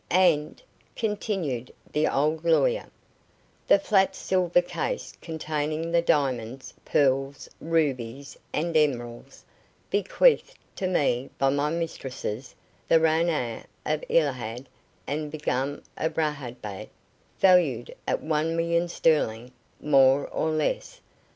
"And," continued the old lawyer, "the flat silver case containing the diamonds, pearls, rubies, and emeralds, bequeathed to me by my mistresses, the Ranee of Illahad and Begum of Rahahbad, valued at one million sterling, more or less.